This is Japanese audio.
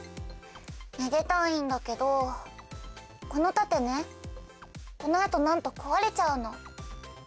めでたいんだけどこの盾ねこの後なんと壊れちゃうの。